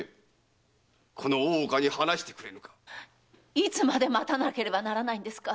いつまで待たなければならないんですか